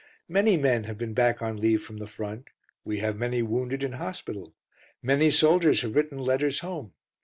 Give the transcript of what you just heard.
Many men have been back on leave from the front, we have many wounded in hospital, many soldiers have written letters home.